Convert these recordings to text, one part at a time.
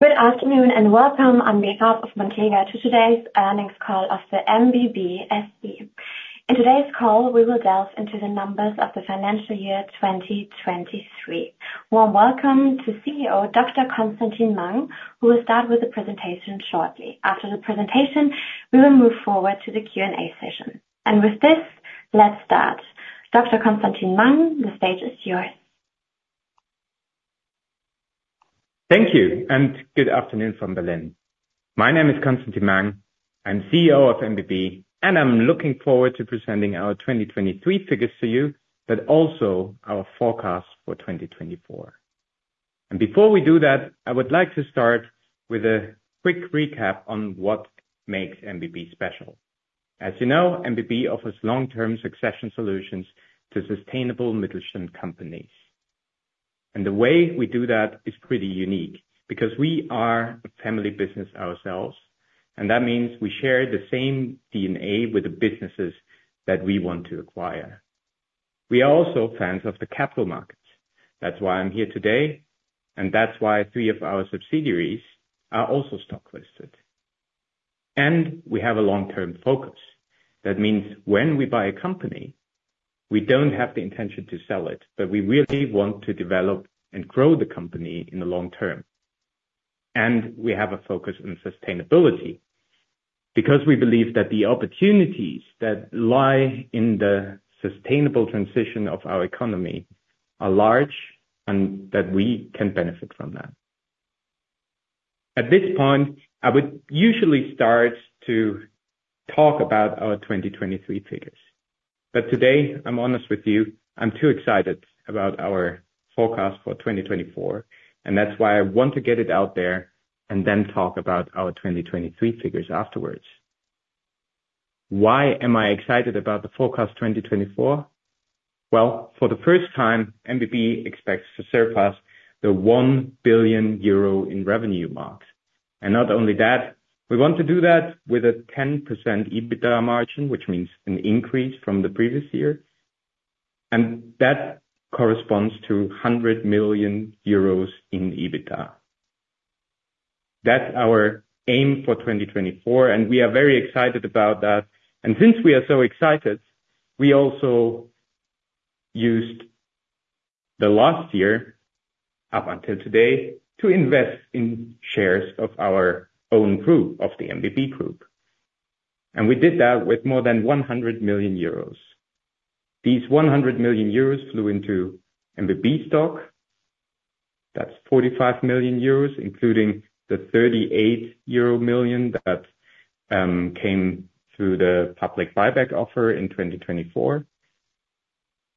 Good afternoon and welcome on behalf of Montega to today's earnings call of the MBB SE. In today's call, we will delve into the numbers of the financial year 2023. Warm welcome to CEO Dr. Constantin Mang, who will start with the presentation shortly. After the presentation, we will move forward to the Q&A session. With this, let's start. Dr. Constantin Mang, the stage is yours. Thank you, and good afternoon from Berlin. My name is Constantin Mang, I'm CEO of MBB, and I'm looking forward to presenting our 2023 figures to you, but also our forecast for 2024. Before we do that, I would like to start with a quick recap on what makes MBB special. As you know, MBB offers long-term succession solutions to sustainable Mittelstand companies. The way we do that is pretty unique because we are a family business ourselves, and that means we share the same DNA with the businesses that we want to acquire. We are also fans of the capital markets. That's why I'm here today, and that's why three of our subsidiaries are also stock-listed. We have a long-term focus. That means when we buy a company, we don't have the intention to sell it, but we really want to develop and grow the company in the long term. We have a focus on sustainability because we believe that the opportunities that lie in the sustainable transition of our economy are large and that we can benefit from that. At this point, I would usually start to talk about our 2023 figures. Today, I'm honest with you, I'm too excited about our forecast for 2024, and that's why I want to get it out there and then talk about our 2023 figures afterwards. Why am I excited about the forecast 2024? Well, for the first time, MBB expects to surpass the 1 billion euro in revenue mark. Not only that, we want to do that with a 10% EBITDA margin, which means an increase from the previous year. That corresponds to 100 million euros in EBITDA. That's our aim for 2024, and we are very excited about that. Since we are so excited, we also used the last year up until today to invest in shares of our own group, of the MBB Group. We did that with more than 100 million euros. These 100 million euros flew into MBB stock. That's 45 million euros, including the 38 million euro that came through the public buyback offer in 2024.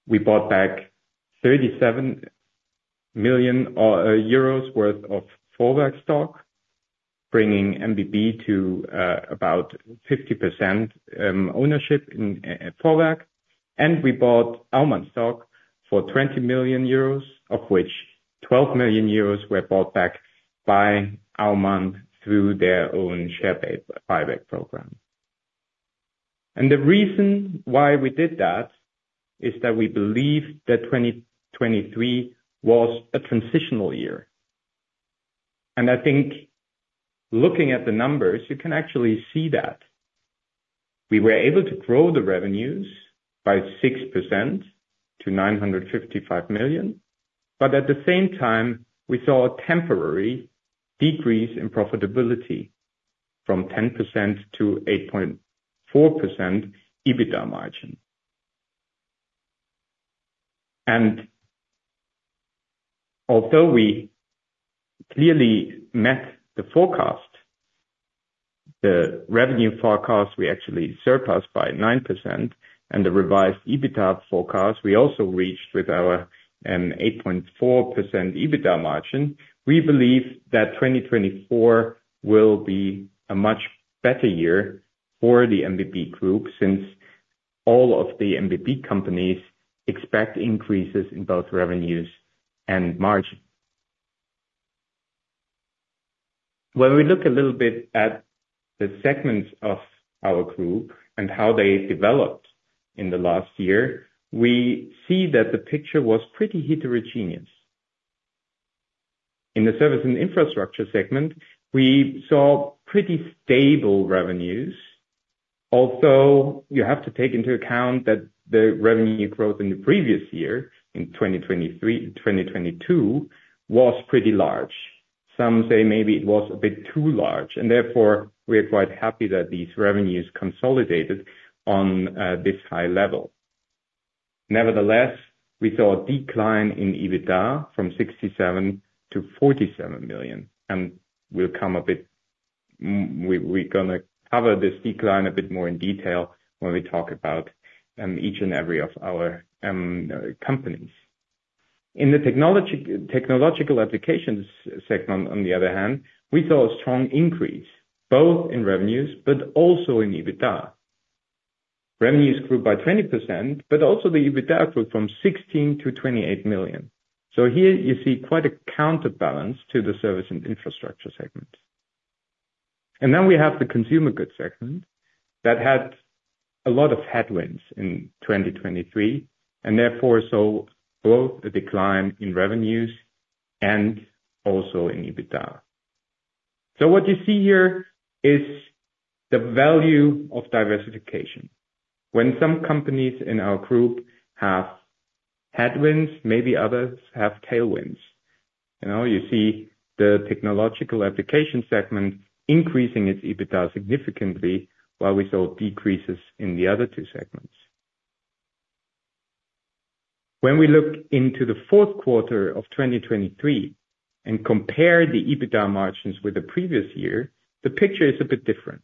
We bought back 37 million euros worth of Vorwerk stock, bringing MBB to about 50% ownership in Vorwerk. We bought Aumann stock for 20 million euros, of which 12 million euros were bought back by Aumann through their own share buyback program. The reason why we did that is that we believe that 2023 was a transitional year. I think looking at the numbers, you can actually see that. We were able to grow the revenues by 6% to 955 million, but at the same time, we saw a temporary decrease in profitability from 10% to 8.4% EBITDA margin. Although we clearly met the forecast, the revenue forecast we actually surpassed by 9%, and the revised EBITDA forecast we also reached with our 8.4% EBITDA margin, we believe that 2024 will be a much better year for the MBB Group since all of the MBB companies expect increases in both revenues and margin. When we look a little bit at the segments of our group and how they developed in the last year, we see that the picture was pretty heterogeneous. In the service and infrastructure segment, we saw pretty stable revenues, although you have to take into account that the revenue growth in the previous year, in 2023 and 2022, was pretty large. Some say maybe it was a bit too large, and therefore we are quite happy that these revenues consolidated on this high level. Nevertheless, we saw a decline in EBITDA from 67 million to 47 million, and we're going to cover this decline a bit more in detail when we talk about each and every of our companies. In the technological applications segment, on the other hand, we saw a strong increase both in revenues but also in EBITDA. Revenues grew by 20%, but also the EBITDA grew from 16 million to 28 million. So here you see quite a counterbalance to the service and infrastructure segments. And then we have the consumer goods segment that had a lot of headwinds in 2023, and therefore saw both a decline in revenues and also in EBITDA. So what you see here is the value of diversification. When some companies in our group have headwinds, maybe others have tailwinds. You see the technological application segment increasing its EBITDA significantly while we saw decreases in the other two segments. When we look into the Q4 of 2023 and compare the EBITDA margins with the previous year, the picture is a bit different.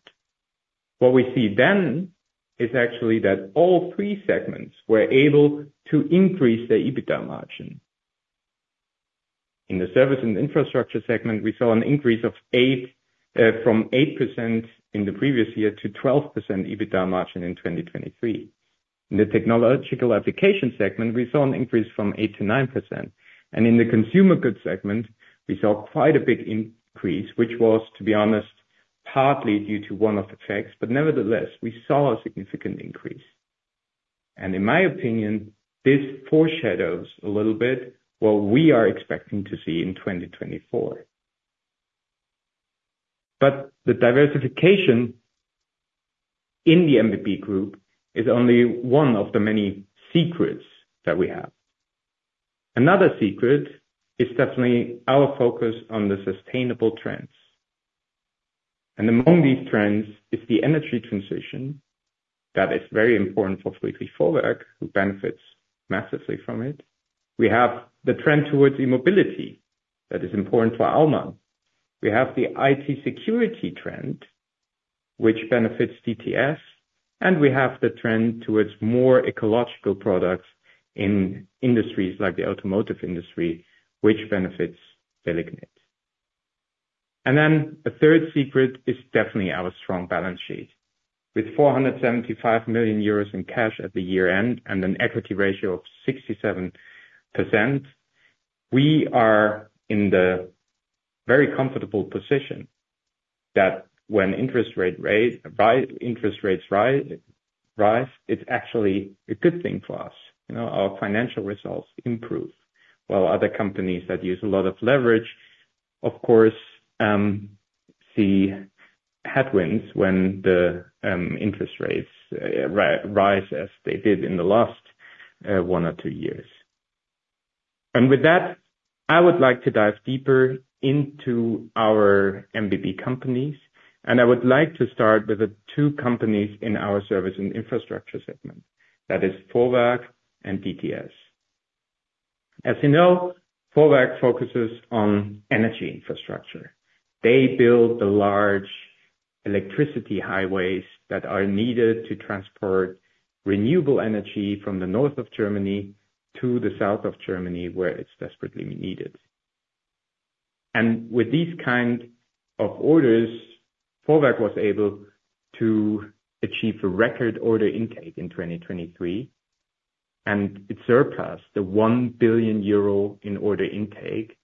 What we see then is actually that all three segments were able to increase their EBITDA margin. In the service and infrastructure segment, we saw an increase from 8% in the previous year to 12% EBITDA margin in 2023. In the technological application segment, we saw an increase from 8% to 9%. And in the consumer goods segment, we saw quite a big increase, which was, to be honest, partly due to one-off effects, but nevertheless, we saw a significant increase. In my opinion, this foreshadows a little bit what we are expecting to see in 2024. But the diversification in the MBB Group is only one of the many secrets that we have. Another secret is definitely our focus on the sustainable trends. And among these trends is the energy transition that is very important for Friedrich Vorwerk, who benefits massively from it. We have the trend towards e-mobility that is important for Aumann. We have the IT security trend, which benefits DTS. And we have the trend towards more ecological products in industries like the automotive industry, which benefits Delignit. And then a third secret is definitely our strong balance sheet. With 475 million euros in cash at the year-end and an equity ratio of 67%, we are in the very comfortable position that when interest rates rise, it's actually a good thing for us. Our financial results improve. While other companies that use a lot of leverage, of course, see headwinds when the interest rates rise as they did in the last one or two years. With that, I would like to dive deeper into our MBB companies. I would like to start with the two companies in our service and infrastructure segment. That is Vorwerk and DTS. As you know, Vorwerk focuses on energy infrastructure. They build the large electricity highways that are needed to transport renewable energy from the north of Germany to the south of Germany where it's desperately needed. With these kinds of orders, Vorwerk was able to achieve a record order intake in 2023. It surpassed the 1 billion euro in order intake,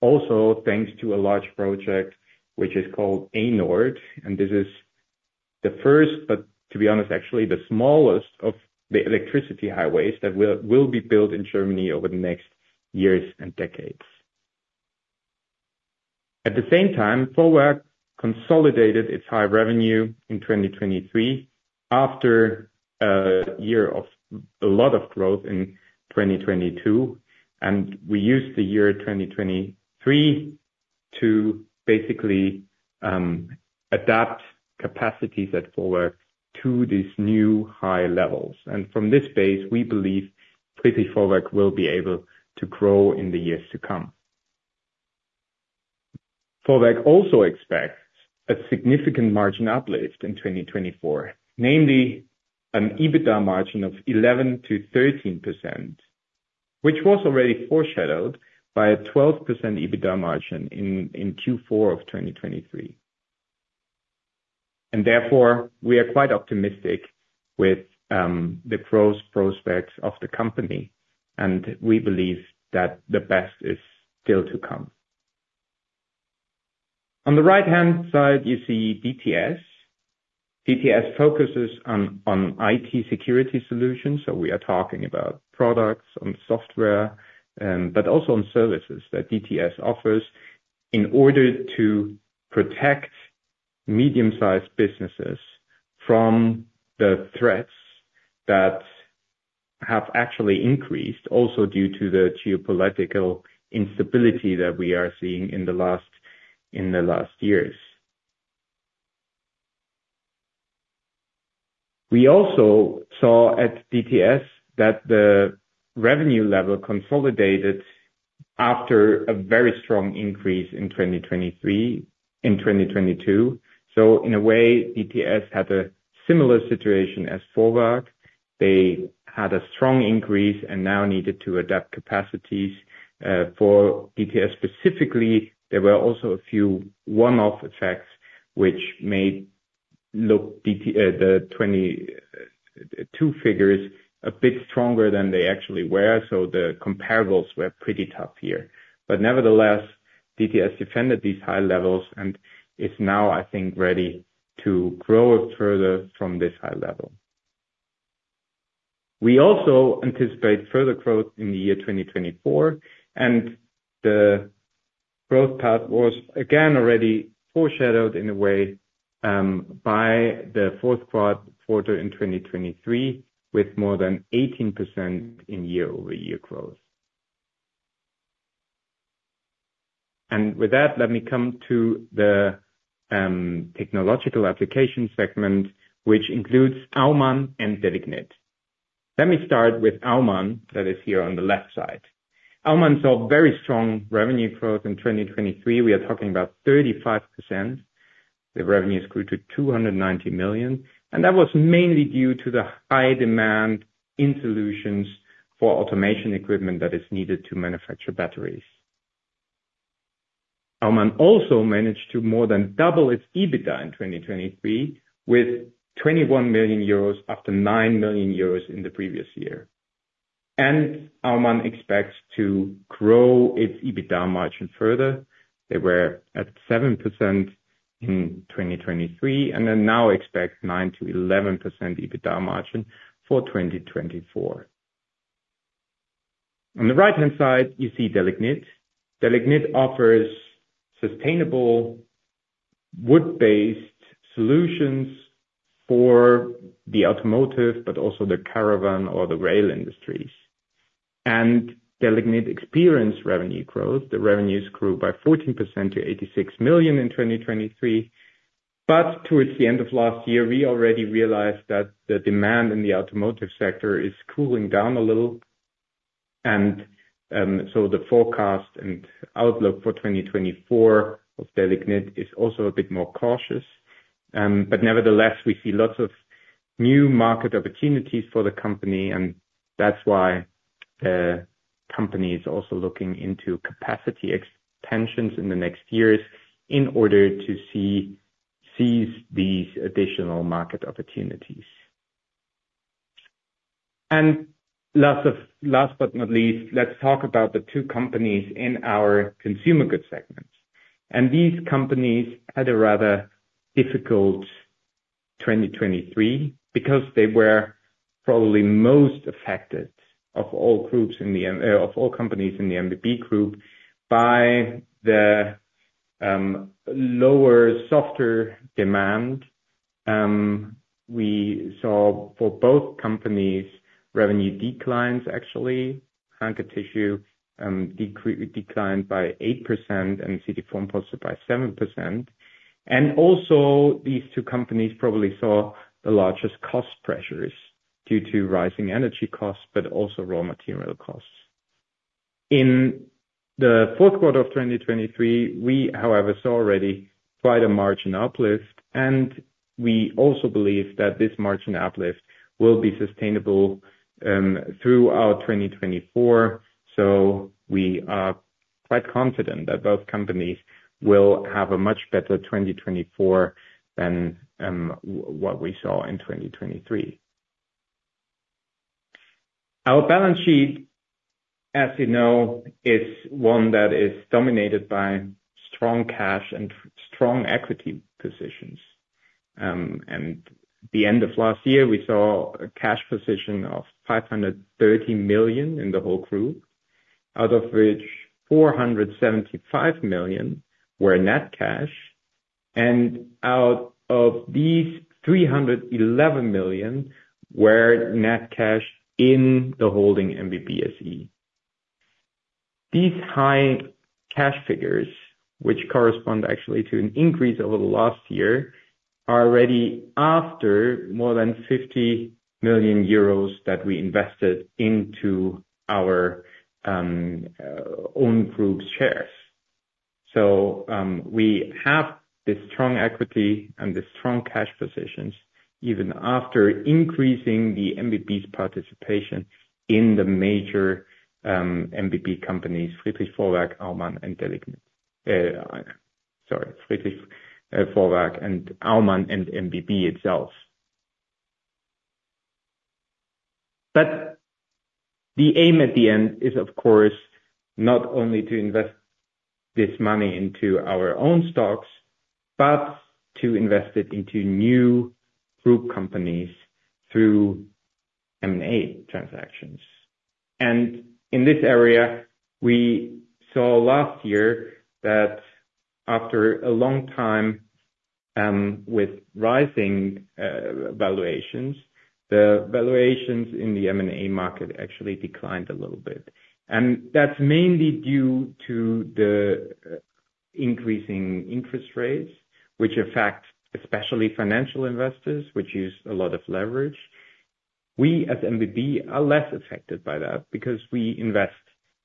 also thanks to a large project which is called A-Nord. This is the first, but to be honest, actually the smallest of the electricity highways that will be built in Germany over the next years and decades. At the same time, Vorwerk consolidated its high revenue in 2023 after a year of a lot of growth in 2022. We used the year 2023 to basically adapt capacities at Vorwerk to these new high levels. From this base, we believe Friedrich Vorwerk will be able to grow in the years to come. Vorwerk also expects a significant margin uplift in 2024, namely an EBITDA margin of 11%-13%, which was already foreshadowed by a 12% EBITDA margin in Q4 of 2023. Therefore, we are quite optimistic with the growth prospects of the company, and we believe that the best is still to come. On the right-hand side, you see DTS. DTS focuses on IT security solutions. So we are talking about products and software, but also on services that DTS offers in order to protect medium-sized businesses from the threats that have actually increased, also due to the geopolitical instability that we are seeing in the last years. We also saw at DTS that the revenue level consolidated after a very strong increase in 2023 and 2022. So in a way, DTS had a similar situation as Vorwerk. They had a strong increase and now needed to adapt capacities. For DTS specifically, there were also a few one-off effects which made the 2022 figures a bit stronger than they actually were. So the comparables were pretty tough here. But nevertheless, DTS defended these high levels and is now, I think, ready to grow further from this high level. We also anticipate further growth in the year 2024. The growth path was, again, already foreshadowed in a way by the Q4 in 2023 with more than 18% year-over-year growth. With that, let me come to the technological application segment, which includes Aumann and Delignit. Let me start with Aumann that is here on the left side. Aumann saw very strong revenue growth in 2023. We are talking about 35%. The revenues grew to 290 million. That was mainly due to the high demand in solutions for automation equipment that is needed to manufacture batteries. Aumann also managed to more than double its EBITDA in 2023 with 21 million euros after 9 million euros in the previous year. Aumann expects to grow its EBITDA margin further. They were at 7% in 2023 and then now expect 9%-11% EBITDA margin for 2024. On the right-hand side, you see Delignit. Delignit offers sustainable wood-based solutions for the automotive, but also the caravan or the rail industries. Delignit experienced revenue growth. The revenues grew by 14% to 86 million in 2023. Towards the end of last year, we already realized that the demand in the automotive sector is cooling down a little. So the forecast and outlook for 2024 of Delignit is also a bit more cautious. Nevertheless, we see lots of new market opportunities for the company, and that's why the company is also looking into capacity expansions in the next years in order to seize these additional market opportunities. Last but not least, let's talk about the two companies in our consumer goods segments. These companies had a rather difficult 2023 because they were probably most affected of all groups of all companies in the MBB SE by the lower, softer demand. We saw for both companies revenue declines, actually. Hanke Tissue declined by 8% and CT Formpolster by 7%. And also these two companies probably saw the largest cost pressures due to rising energy costs, but also raw material costs. In the Q4 of 2023, we, however, saw already quite a margin uplift. And we also believe that this margin uplift will be sustainable throughout 2024. So we are quite confident that both companies will have a much better 2024 than what we saw in 2023. Our balance sheet, as you know, is one that is dominated by strong cash and strong equity positions. At the end of last year, we saw a cash position of 530 million in the whole group, out of which 475 million were net cash. Out of these 311 million were net cash in the holding MBB SE. These high cash figures, which correspond actually to an increase over the last year, are already after more than 50 million euros that we invested into our own group's shares. So we have this strong equity and this strong cash positions even after increasing the MBB's participation in the major MBB companies, Friedrich Vorwerk, Aumann, and Delignit. Sorry, Friedrich Vorwerk and Aumann and MBB itself. But the aim at the end is, of course, not only to invest this money into our own stocks, but to invest it into new group companies through M&A transactions. In this area, we saw last year that after a long time with rising valuations, the valuations in the M&A market actually declined a little bit. That's mainly due to the increasing interest rates, which affect especially financial investors, which use a lot of leverage. We, as MBB, are less affected by that because we invest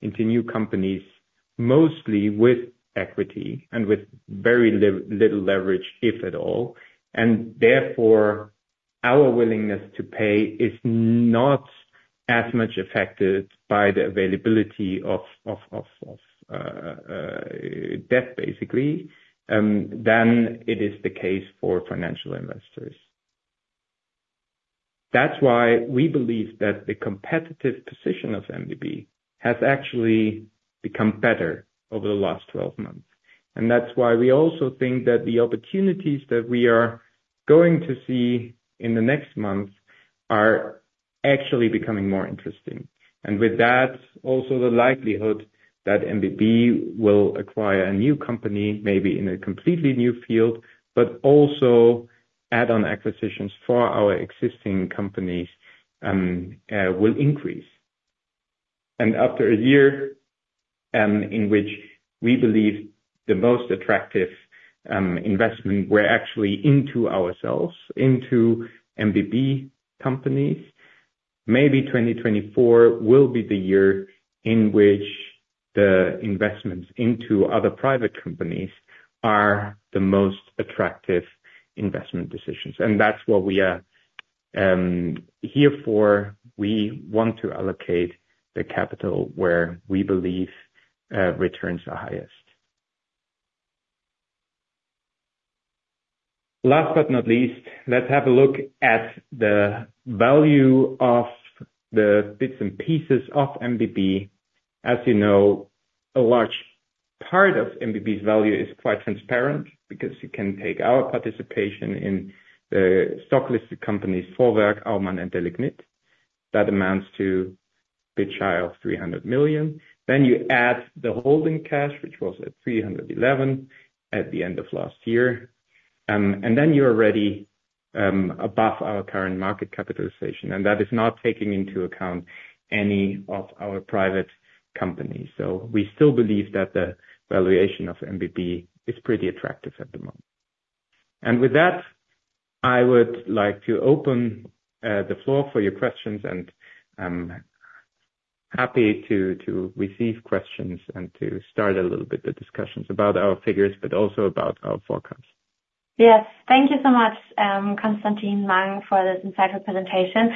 into new companies mostly with equity and with very little leverage, if at all. Therefore, our willingness to pay is not as much affected by the availability of debt, basically, than it is the case for financial investors. That's why we believe that the competitive position of MBB has actually become better over the last 12 months. That's why we also think that the opportunities that we are going to see in the next months are actually becoming more interesting. With that, also the likelihood that MBB will acquire a new company, maybe in a completely new field, but also add-on acquisitions for our existing companies will increase. After a year in which we believe the most attractive investment were actually into ourselves, into MBB companies, maybe 2024 will be the year in which the investments into other private companies are the most attractive investment decisions. That's what we are here for. We want to allocate the capital where we believe returns are highest. Last but not least, let's have a look at the value of the bits and pieces of MBB. As you know, a large part of MBB's value is quite transparent because you can take our participation in the stock-listed companies, Vorwerk, Aumann, and Delignit. That amounts to a bit shy of 300 million. You add the holding cash, which was at 311 at the end of last year. Then you're already above our current market capitalization. That is not taking into account any of our private companies. We still believe that the valuation of MBB is pretty attractive at the moment. With that, I would like to open the floor for your questions and happy to receive questions and to start a little bit the discussions about our figures, but also about our forecast. Yes. Thank you so much, Constantin Mang, for this insightful presentation.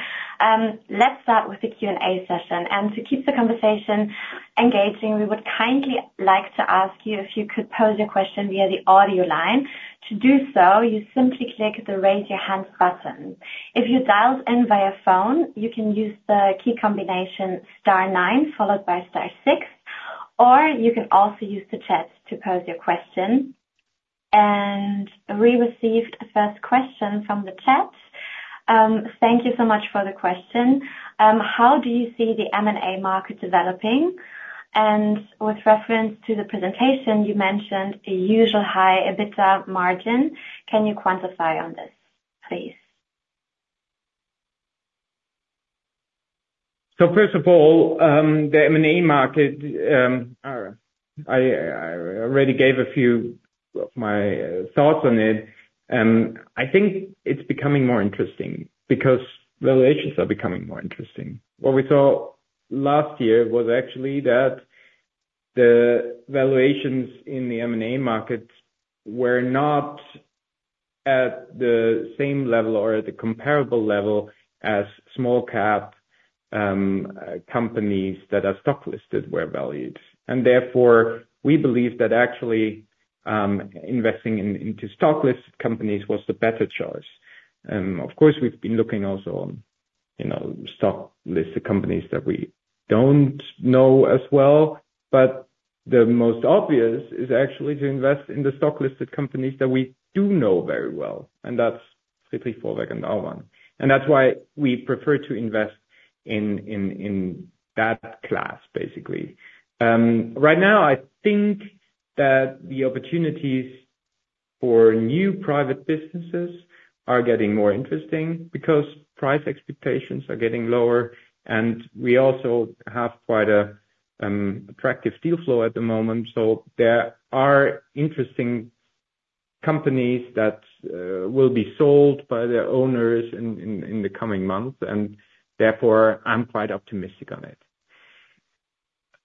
Let's start with the Q&A session. To keep the conversation engaging, we would kindly like to ask you if you could pose your question via the audio line. To do so, you simply click the raise your hands button. If you dialed in via phone, you can use the key combination star 9 followed by star 6, or you can also use the chat to pose your question. We received a first question from the chat. Thank you so much for the question. How do you see the M&A market developing? With reference to the presentation, you mentioned a usual high EBITDA margin. Can you quantify on this, please? So first of all, the M&A market, I already gave a few of my thoughts on it. I think it's becoming more interesting because valuations are becoming more interesting. What we saw last year was actually that the valuations in the M&A market were not at the same level or at the comparable level as small-cap companies that are stock-listed were valued. Therefore, we believe that actually investing into stock-listed companies was the better choice. Of course, we've been looking also on stock-listed companies that we don't know as well. The most obvious is actually to invest in the stock-listed companies that we do know very well. That's Friedrich Vorwerk and Aumann. That's why we prefer to invest in that class, basically. Right now, I think that the opportunities for new private businesses are getting more interesting because price expectations are getting lower. We also have quite an attractive deal flow at the moment. There are interesting companies that will be sold by their owners in the coming months. Therefore, I'm quite optimistic on it.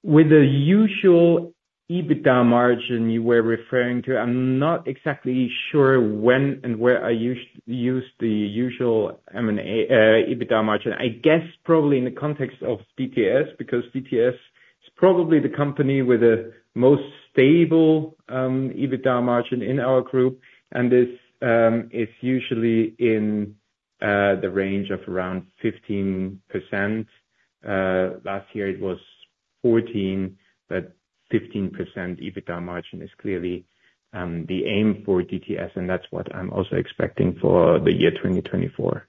With the usual EBITDA margin you were referring to, I'm not exactly sure when and where I use the usual EBITDA margin. I guess probably in the context of DTS because DTS is probably the company with the most stable EBITDA margin in our group. This is usually in the range of around 15%. Last year, it was 14%, but 15% EBITDA margin is clearly the aim for DTS. That's what I'm also expecting for the year 2024.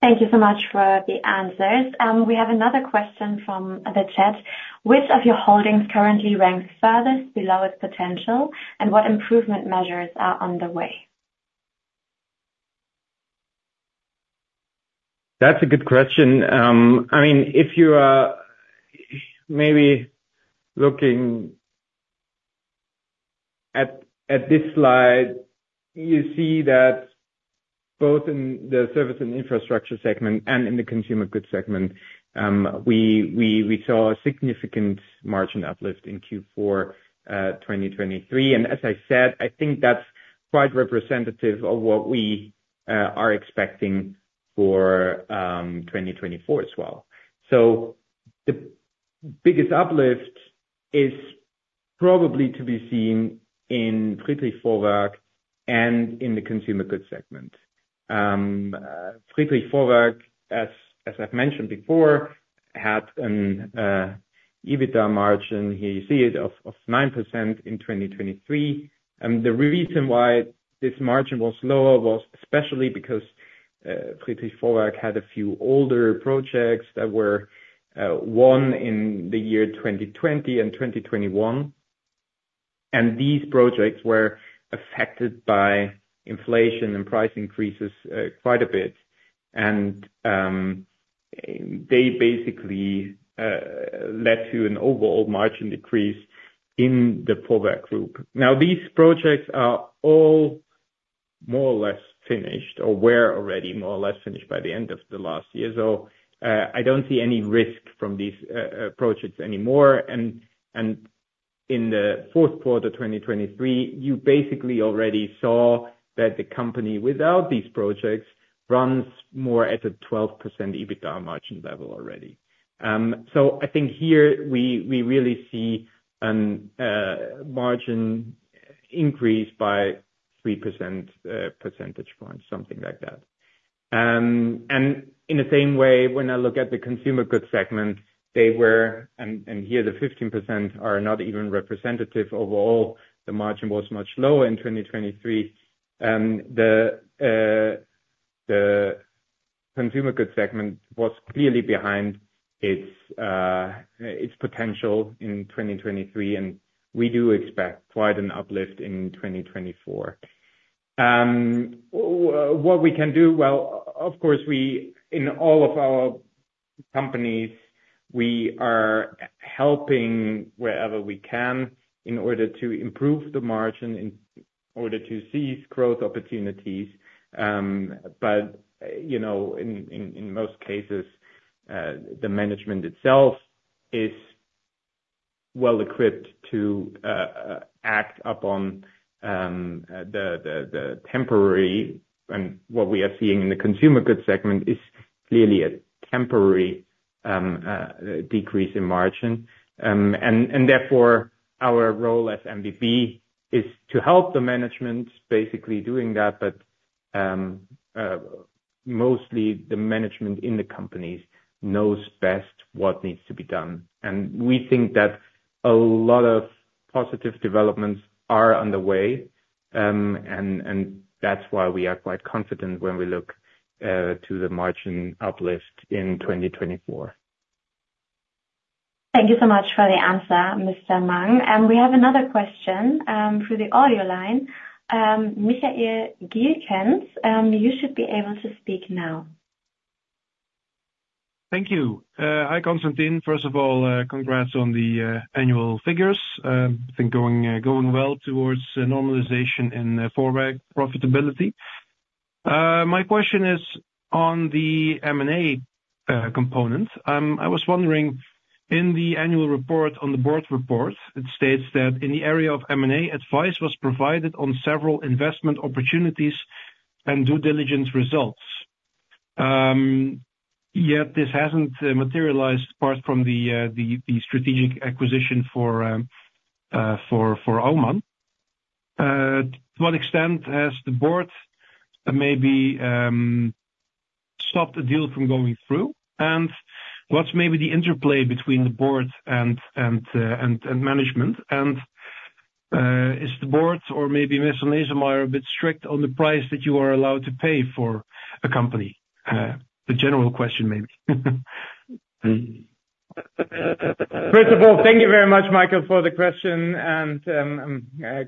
Thank you so much for the answers. We have another question from the chat. Which of your holdings currently ranks furthest below its potential, and what improvement measures are on the way? That's a good question. I mean, if you are maybe looking at this slide, you see that both in the service and infrastructure segment and in the consumer goods segment, we saw a significant margin uplift in Q4 2023. And as I said, I think that's quite representative of what we are expecting for 2024 as well. So the biggest uplift is probably to be seen in Friedrich Vorwerk and in the consumer goods segment. Friedrich Vorwerk, as I've mentioned before, had an EBITDA margin, here you see it, of 9% in 2023. The reason why this margin was lower was especially because Friedrich Vorwerk had a few older projects that were won in the year 2020 and 2021. And they basically led to an overall margin decrease in the Vorwerk Group. Now, these projects are all more or less finished or were already more or less finished by the end of the last year. So I don't see any risk from these projects anymore. And in the Q4 2023, you basically already saw that the company without these projects runs more at a 12% EBITDA margin level already. So I think here we really see a margin increase by 3 percentage points, something like that. And in the same way, when I look at the consumer goods segment, they were and here, the 15% are not even representative overall. The margin was much lower in 2023. The consumer goods segment was clearly behind its potential in 2023. And we do expect quite an uplift in 2024. What we can do well, of course, in all of our companies, we are helping wherever we can in order to improve the margin, in order to seize growth opportunities. But in most cases, the management itself is well-equipped to act upon the temporary and what we are seeing in the consumer goods segment is clearly a temporary decrease in margin. And therefore, our role as MBB is to help the management basically doing that. But mostly, the management in the companies knows best what needs to be done. And we think that a lot of positive developments are underway. And that's why we are quite confident when we look to the margin uplift in 2024. Thank you so much for the answer, Mr. Mang. We have another question through the audio line. Michael Gielkens, you should be able to speak now. Thank you. Hi, Constantin. First of all, congrats on the annual figures. I think going well towards normalization in Vorwerk profitability. My question is on the M&A component. I was wondering, in the annual report, on the board report, it states that in the area of M&A, advice was provided on several investment opportunities and due diligence results. Yet this hasn't materialized apart from the strategic acquisition for Aumann. To what extent has the board maybe stopped a deal from going through? And what's maybe the interplay between the board and management? And is the board or maybe Ms. Nesemeier a bit strict on the price that you are allowed to pay for a company? The general question, maybe. First of all, thank you very much, Michael, for the question. I'm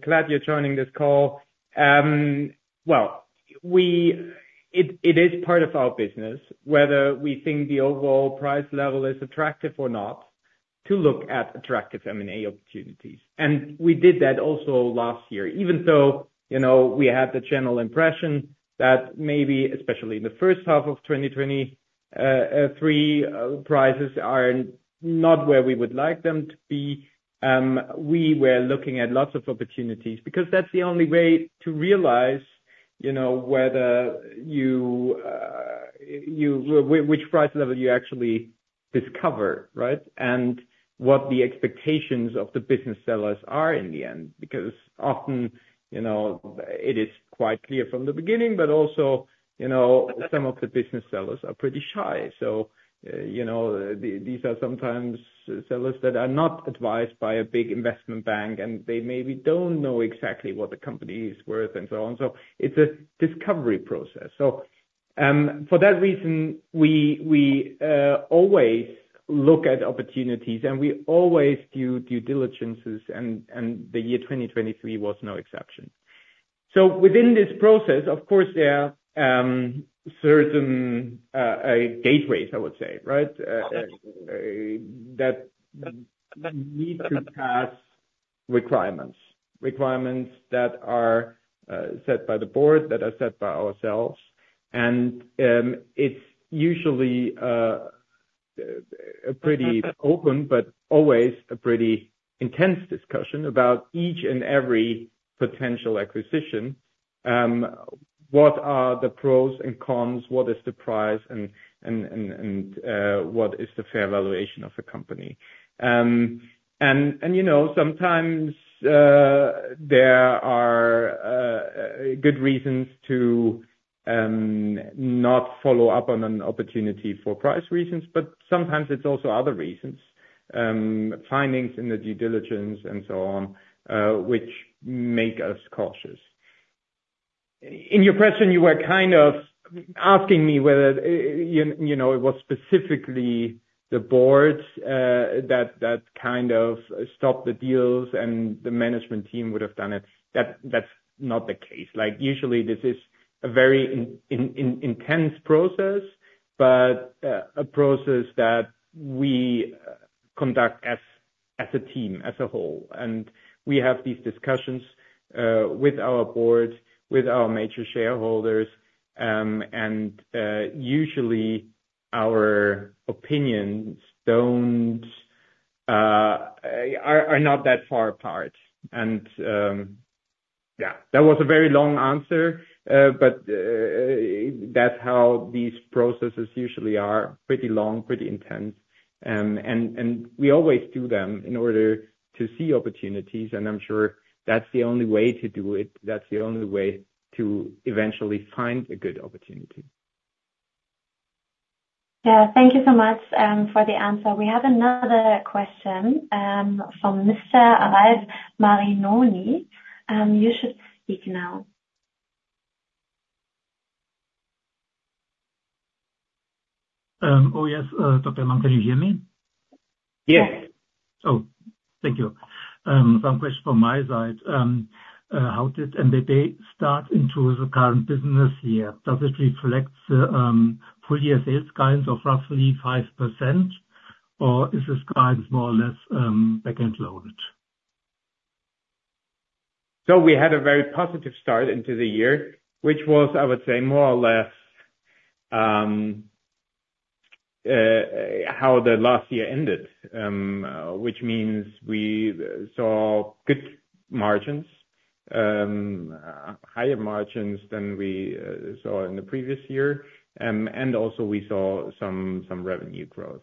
glad you're joining this call. Well, it is part of our business, whether we think the overall price level is attractive or not, to look at attractive M&A opportunities. We did that also last year, even though we had the general impression that maybe, especially in the first half of 2023, prices are not where we would like them to be. We were looking at lots of opportunities because that's the only way to realize which price level you actually discover, right, and what the expectations of the business sellers are in the end. Because often, it is quite clear from the beginning, but also some of the business sellers are pretty shy. So these are sometimes sellers that are not advised by a big investment bank, and they maybe don't know exactly what the company is worth and so on. So it's a discovery process. So for that reason, we always look at opportunities, and we always do due diligences. And the year 2023 was no exception. So within this process, of course, there are certain gateways, I would say, right, that need to pass requirements, requirements that are set by the board, that are set by ourselves. And it's usually a pretty open, but always a pretty intense discussion about each and every potential acquisition. What are the pros and cons? What is the price? And what is the fair valuation of a company? And sometimes, there are good reasons to not follow up on an opportunity for price reasons. But sometimes, it's also other reasons, findings in the due diligence and so on, which make us cautious. In your question, you were kind of asking me whether it was specifically the board that kind of stopped the deals, and the management team would have done it. That's not the case. Usually, this is a very intense process, but a process that we conduct as a team, as a whole. And we have these discussions with our board, with our major shareholders. And usually, our opinions are not that far apart. And yeah, that was a very long answer. But that's how these processes usually are, pretty long, pretty intense. And we always do them in order to see opportunities. And I'm sure that's the only way to do it. That's the only way to eventually find a good opportunity. Yeah. Thank you so much for the answer. We have another question from Mr. Arif Marinoni. You should speak now. Oh, yes. Dr. Mang, can you hear me? Yes. Oh, thank you. Some question from my side. How did MBB start into the current business year? Does it reflect the full-year sales guidance of roughly 5%, or is this guidance more or less back-and-loaded? So we had a very positive start into the year, which was, I would say, more or less how the last year ended, which means we saw good margins, higher margins than we saw in the previous year. And also, we saw some revenue growth.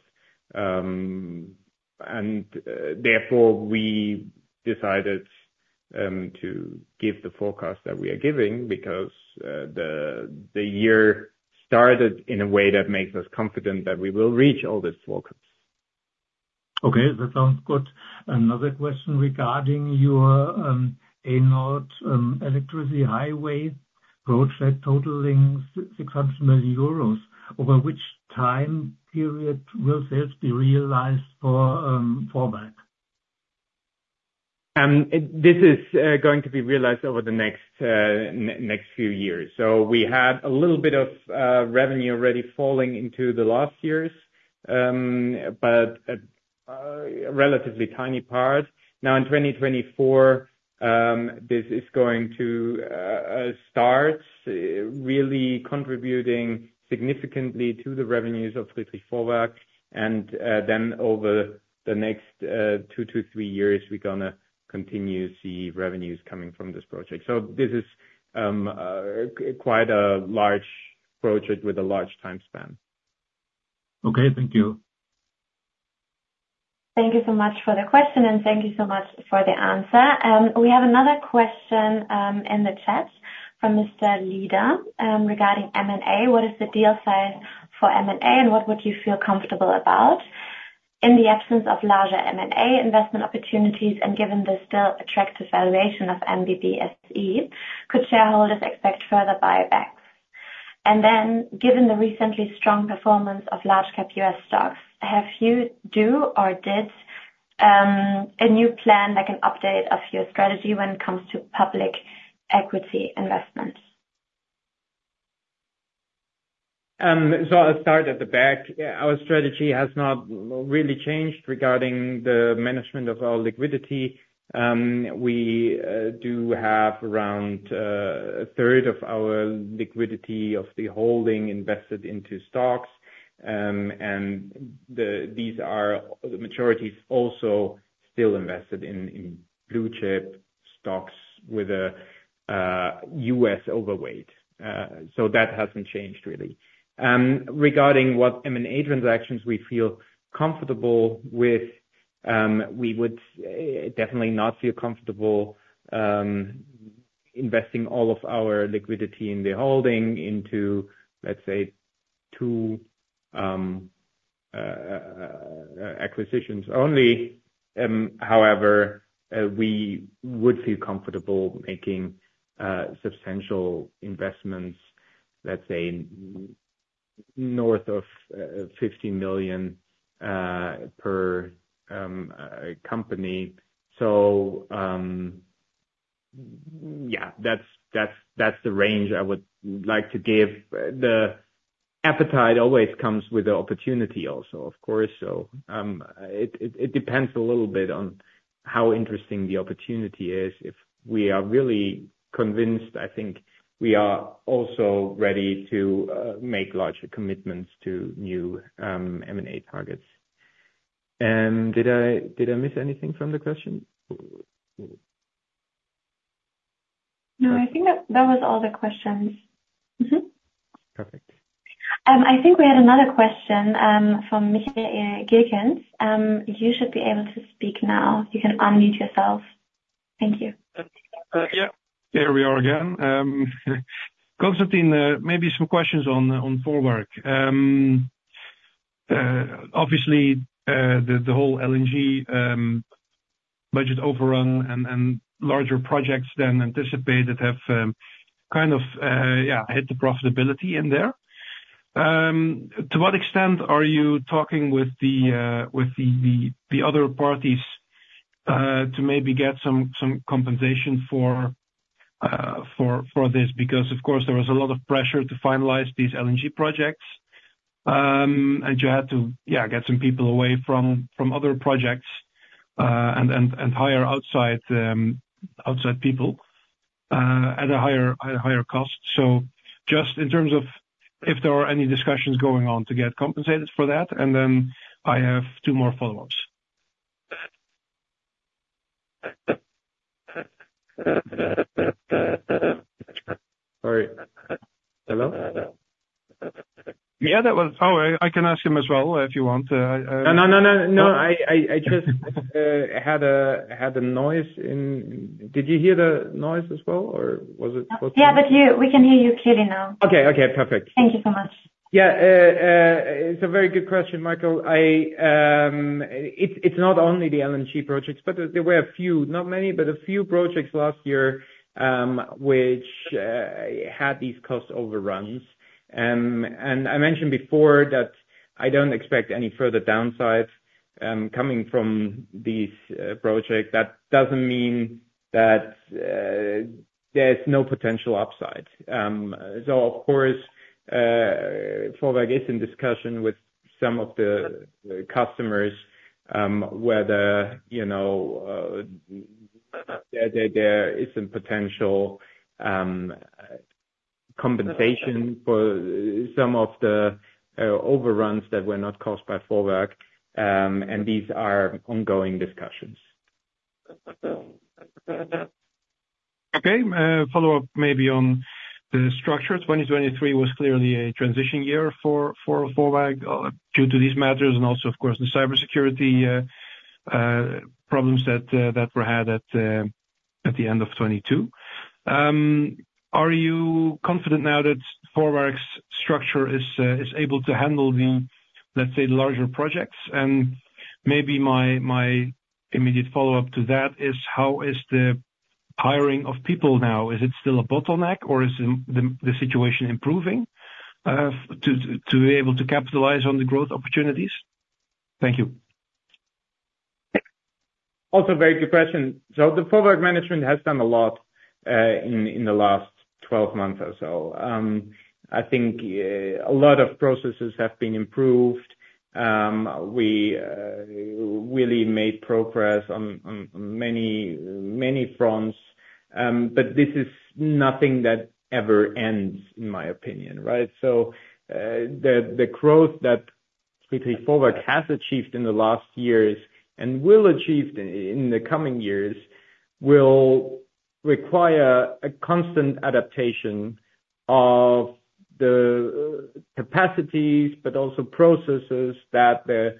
And therefore, we decided to give the forecast that we are giving because the year started in a way that makes us confident that we will reach all these forecasts. Okay. That sounds good. Another question regarding your A-Nord Electricity Highway project totaling 600 million euros. Over which time period will sales be realized for Vorwerk? This is going to be realized over the next few years. So we had a little bit of revenue already falling into the last years, but a relatively tiny part. Now, in 2024, this is going to start really contributing significantly to the revenues of Friedrich Vorwerk. And then over the next two to three years, we're going to continue to see revenues coming from this project. So this is quite a large project with a large time span. Okay. Thank you. Thank you so much for the question, and thank you so much for the answer. We have another question in the chat from Mr. Lida regarding M&A. What is the deal size for M&A, and what would you feel comfortable about? In the absence of larger M&A investment opportunities and given the still attractive valuation of MBB SE, could shareholders expect further buybacks? And then, given the recently strong performance of large-cap U.S. stocks, have you do or did a new plan, like an update of your strategy when it comes to public equity investments? So I'll start at the back. Our strategy has not really changed regarding the management of our liquidity. We do have around a third of our liquidity of the holding invested into stocks. And these are the majorities also still invested in blue-chip stocks with a U.S. overweight. So that hasn't changed, really. Regarding what M&A transactions we feel comfortable with, we would definitely not feel comfortable investing all of our liquidity in the holding into, let's say, two acquisitions only. However, we would feel comfortable making substantial investments, let's say, north of EUR 15 million per company. So yeah, that's the range I would like to give. The appetite always comes with the opportunity also, of course. So it depends a little bit on how interesting the opportunity is. If we are really convinced, I think we are also ready to make larger commitments to new M&A targets. Did I miss anything from the question? No, I think that was all the questions. Perfect. I think we had another question from Michael Gielkens. You should be able to speak now. You can unmute yourself. Thank you. Yeah. Here we are again. Constantin, maybe some questions on Vorwerk. Obviously, the whole LNG budget overrun and larger projects than anticipated have kind of, yeah, hit the profitability in there. To what extent are you talking with the other parties to maybe get some compensation for this? Because, of course, there was a lot of pressure to finalize these LNG projects, and you had to, yeah, get some people away from other projects and hire outside people at a higher cost. So just in terms of if there are any discussions going on to get compensated for that. And then I have two more follow-ups. All right. Hello? Yeah, that was. Oh, I can ask him as well if you want. No, no, no, no, no. I just had a noise. Did you hear the noise as well, or was it? Yeah, but we can hear you clearly now. Okay. Okay. Perfect. Thank you so much. Yeah. It's a very good question, Michael. It's not only the L&G projects, but there were a few, not many, but a few projects last year which had these cost overruns. And I mentioned before that I don't expect any further downside coming from these projects. That doesn't mean that there's no potential upside. So, of course, Vorwerk is in discussion with some of the customers whether there is some potential compensation for some of the overruns that were not caused by Vorwerk. And these are ongoing discussions. Okay. Follow-up maybe on the structure. 2023 was clearly a transition year for Vorwerk due to these matters and also, of course, the cybersecurity problems that were had at the end of 2022. Are you confident now that Vorwerk's structure is able to handle the, let's say, larger projects? And maybe my immediate follow-up to that is, how is the hiring of people now? Is it still a bottleneck, or is the situation improving to be able to capitalize on the growth opportunities? Thank you. Also, very good question. So the Vorwerk management has done a lot in the last 12 months or so. I think a lot of processes have been improved. We really made progress on many fronts. But this is nothing that ever ends, in my opinion, right? So the growth that Vorwerk has achieved in the last years and will achieve in the coming years will require a constant adaptation of the capacities, but also processes that the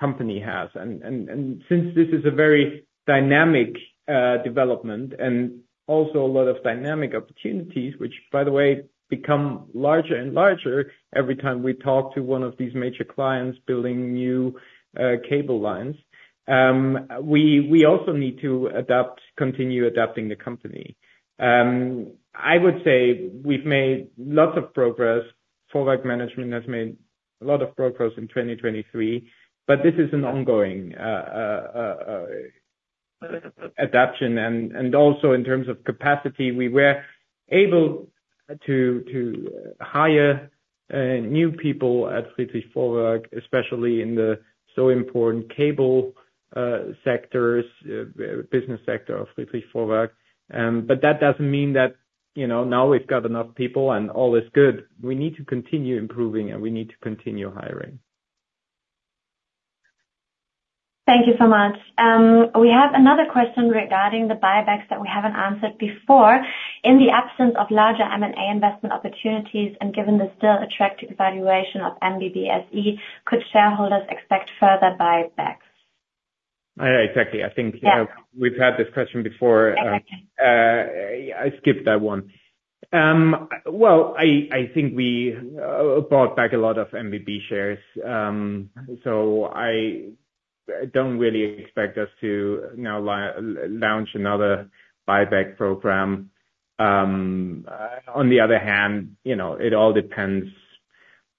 company has. And since this is a very dynamic development and also a lot of dynamic opportunities, which, by the way, become larger and larger every time we talk to one of these major clients building new cable lines, we also need to continue adapting the company. I would say we've made lots of progress. Vorwerk management has made a lot of progress in 2023, but this is an ongoing adaptation. In terms of capacity, we were able to hire new people at Friedrich Vorwerk, especially in the so important cable business sector of Friedrich Vorwerk. That doesn't mean that now we've got enough people and all is good. We need to continue improving, and we need to continue hiring. Thank you so much. We have another question regarding the buybacks that we haven't answered before. In the absence of larger M&A investment opportunities and given the still attractive valuation of MBB SE, could shareholders expect further buybacks? Exactly. I think we've had this question before. I skipped that one. Well, I think we bought back a lot of MBB shares. So I don't really expect us to now launch another buyback program. On the other hand, it all depends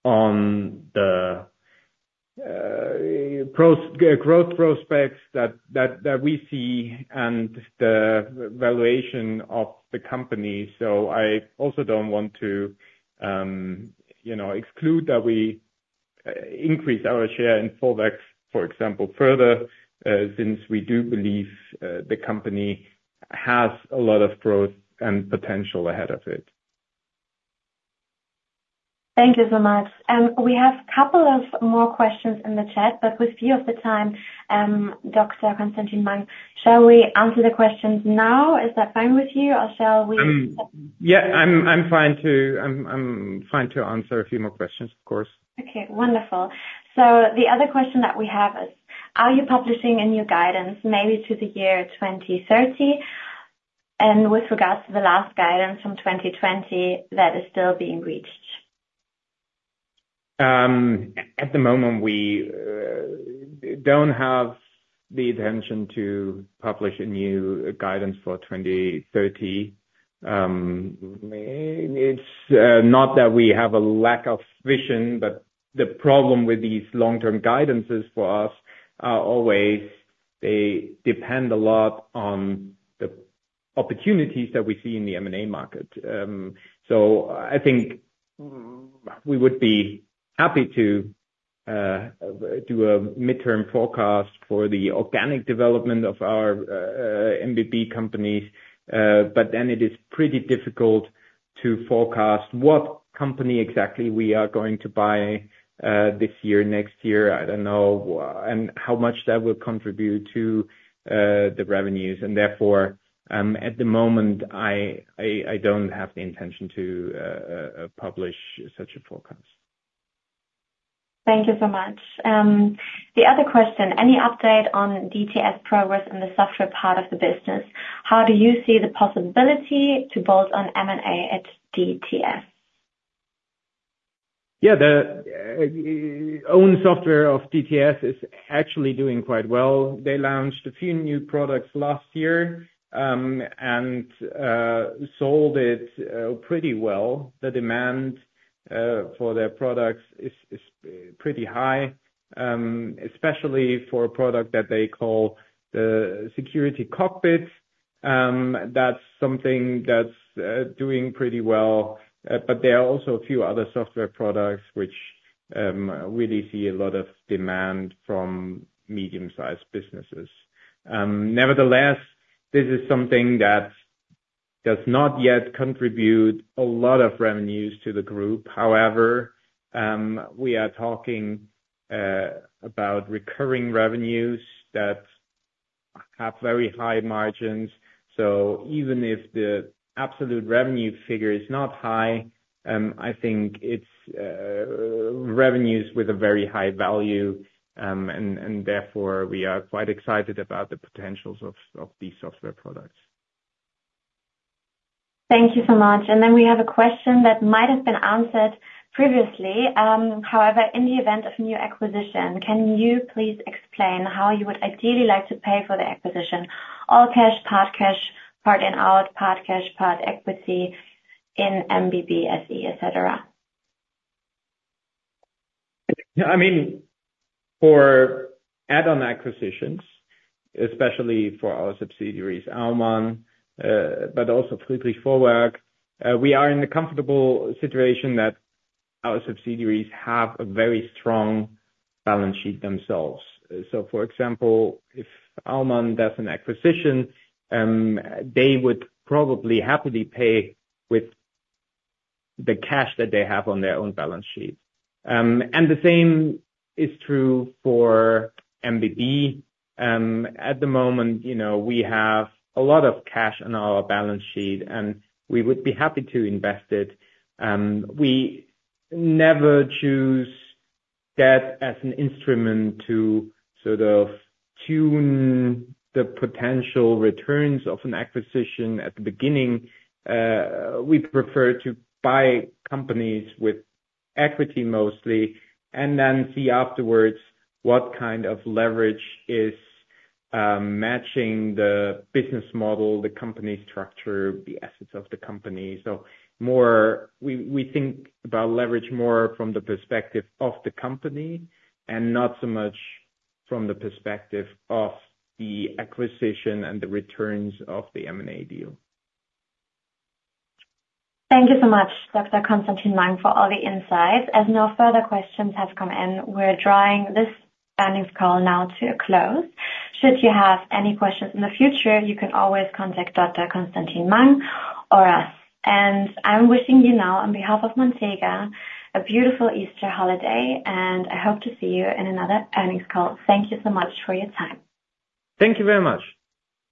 on the growth prospects that we see and the valuation of the company. So I also don't want to exclude that we increase our share in Vorwerk, for example, further since we do believe the company has a lot of growth and potential ahead of it. Thank you so much. We have a couple of more questions in the chat, but with view of the time, Dr. Constantin Mang, shall we answer the questions now? Is that fine with you, or shall we? Yeah, I'm fine to answer a few more questions, of course. Okay. Wonderful. The other question that we have is, are you publishing a new guidance maybe to the year 2030? With regards to the last guidance from 2020 that is still being reached? At the moment, we don't have the intention to publish a new guidance for 2030. It's not that we have a lack of vision, but the problem with these long-term guidances for us are always they depend a lot on the opportunities that we see in the M&A market. So I think we would be happy to do a midterm forecast for the organic development of our MBB companies. But then it is pretty difficult to forecast what company exactly we are going to buy this year, next year, I don't know, and how much that will contribute to the revenues. And therefore, at the moment, I don't have the intention to publish such a forecast. Thank you so much. The other question, any update on DTS progress in the software part of the business? How do you see the possibility to bolt on M&A at DTS? Yeah. The own software of DTS is actually doing quite well. They launched a few new products last year and sold it pretty well. The demand for their products is pretty high, especially for a product that they call the Security Cockpit. That's something that's doing pretty well. But there are also a few other software products which really see a lot of demand from medium-sized businesses. Nevertheless, this is something that does not yet contribute a lot of revenues to the group. However, we are talking about recurring revenues that have very high margins. So even if the absolute revenue figure is not high, I think it's revenues with a very high value. And therefore, we are quite excited about the potentials of these software products. Thank you so much. And then we have a question that might have been answered previously. However, in the event of new acquisition, can you please explain how you would ideally like to pay for the acquisition? All cash, part cash, part in-out, part cash, part equity in MBB SE, etc.? I mean, for add-on acquisitions, especially for our subsidiaries, Aumann, but also Friedrich Vorwerk, we are in the comfortable situation that our subsidiaries have a very strong balance sheet themselves. So, for example, if Aumann does an acquisition, they would probably happily pay with the cash that they have on their own balance sheet. And the same is true for MBB. At the moment, we have a lot of cash on our balance sheet, and we would be happy to invest it. We never choose debt as an instrument to sort of tune the potential returns of an acquisition at the beginning. We prefer to buy companies with equity mostly and then see afterwards what kind of leverage is matching the business model, the company structure, the assets of the company. We think about leverage more from the perspective of the company and not so much from the perspective of the acquisition and the returns of the M&A deal. Thank you so much, Dr. Constantin Mang, for all the insights. As no further questions have come in, we're drawing this earnings call now to a close. Should you have any questions in the future, you can always contact Dr. Constantin Mang or us. I'm wishing you now, on behalf of Montega, a beautiful Easter holiday, and I hope to see you in another earnings call. Thank you so much for your time. Thank you very much.